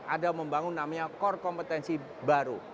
ada membangun namanya core kompetensi baru